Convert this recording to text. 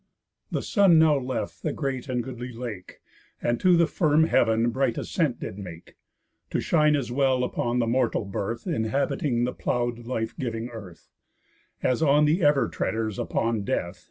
The sun now left the great and goodly lake, And to the firm heav'n bright ascent did make, To shine as well upon the mortal birth, Inhabiting the plow'd life giving earth, As on the ever treaders upon death.